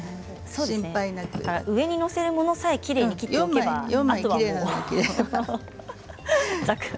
上に載せるものだけきれいに切っておけばいいんですね。